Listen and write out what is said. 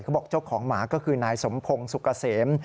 บอกเจ้าของหมาก็คือนายสมพงศ์สุกเกษม